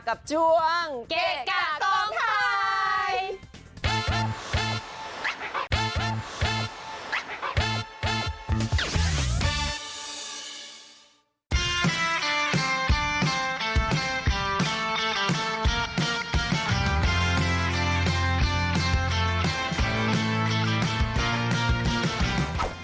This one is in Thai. กับช่วงเก๊กกากล้องถ่าย